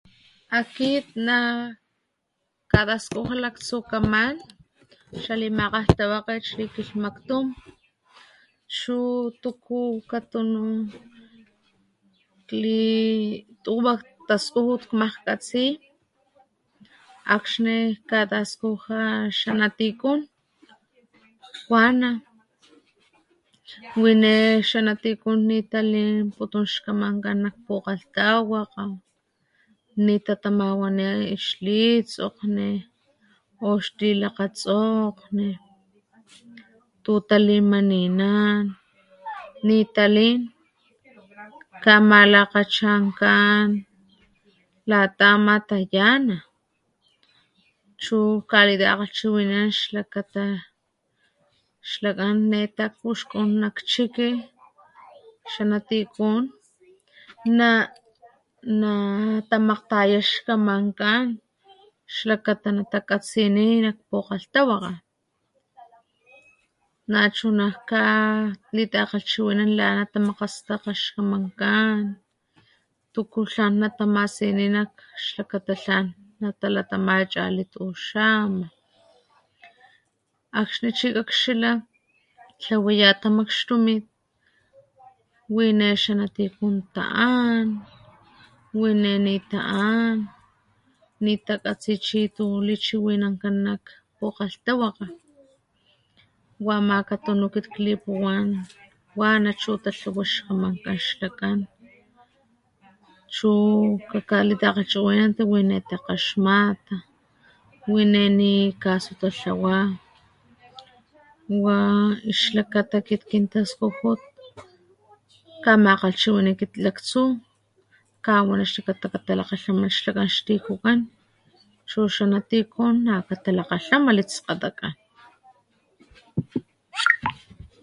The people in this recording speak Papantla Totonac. Akit najkataskuja laktsukaman xalimakgalhtawakget xalikilhmakt katunu kli tuwa taskujut makglhkgatsi akxni kataskuja xanatikun wine tiku nitalin xkamankan nak pukgalgtawakga. nitatamawani xlitsokgni o xlilakgatsokgni tutalimanina nitalin kamalakgacha lata ama tayana chu kalitagalhchiwinan xlakata xlakan netaakpuxkun nak chiki xanatikun natamakgtayanan xkamankan xlakata natakatsini xtakgalhtawakga nachuna kawani nitakgalhchiwinan makgastakga xkamankan tuku tlan natamasini nak xlakata tlan natalatama chali tuxama akxni xikakxila tlawaya tamakxtunit wi ne xanatikun taan wine ni taan nitakatsi chi tu lichiwinakan nak pukgalhtawakga wa ama katunu akit klipuwan wana chu tatlawa chu kakalitakgalhchiwinanti xlakata natakgaxmata wi nenikasotatlawa wa xlakata akit kintaskujut kamakgalhchiwini laktsu kawani xlakan xtikukan chu xanatikun katalakgalhamalh itskgatakan